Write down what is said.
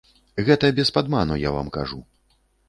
Гэта без падману я вам кажу.